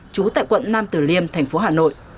trú tại quận nam tử liêm thành phố hà nội